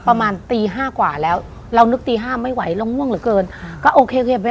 ประมาณตีห้ากว่าแล้วเรานึกตีห้าไม่ไหวเราง่วงเหลือเกินก็โอเคเคยไป